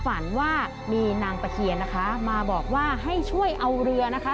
ฝันว่ามีนางตะเคียนนะคะมาบอกว่าให้ช่วยเอาเรือนะคะ